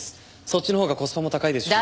そっちのほうがコスパも高いですし。